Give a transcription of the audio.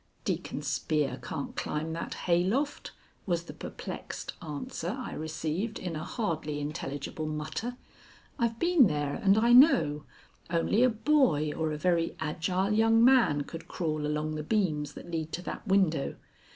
"Deacon Spear can't climb that hay loft," was the perplexed answer I received in a hardly intelligible mutter. "I've been there, and I know; only a boy or a very agile young man could crawl along the beams that lead to that window.